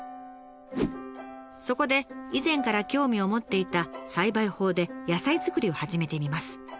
そこで以前から興味を持っていた栽培法で野菜作りを始めてみます。